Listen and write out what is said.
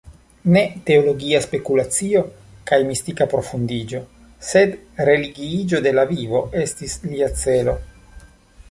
Ne teologia spekulacio kaj mistika profundiĝo, sed religiiĝo de la vivo estis lia celo.